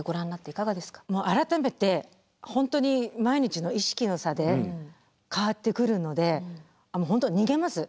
改めて本当に毎日の意識の差で変わってくるので本当逃げます。